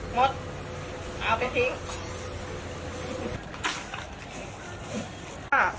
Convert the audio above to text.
มดเอาไปทิ้ง